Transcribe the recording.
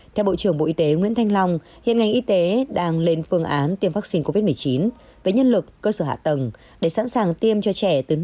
theo bộ trưởng bộ y tế nguyễn thanh long hiện ngành y tế đang lên phương án tiêm vaccine covid một mươi chín với nhân lực cơ sở hạ tầng để sẵn sàng tiêm cho trẻ từ năm đến một mươi một tuổi